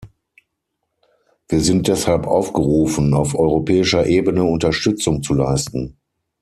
Wir sind deshalb aufgerufen, auf europäischer Ebene Unterstützung zu leisten.